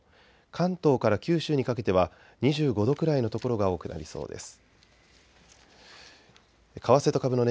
関東から九州にかけては２５度くらいの所が多くなりそうです。